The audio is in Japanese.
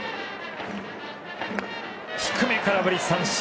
低め、空振り三振！